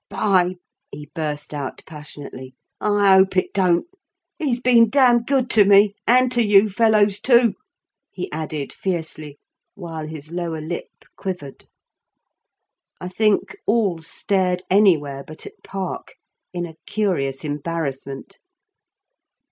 "By !" he burst out passionately: "I hope it don't. He's been damn good to me and to you fellows too," he added fiercely, while his lower lip quivered. I think all stared anywhere but at Park, in a curious embarrassment.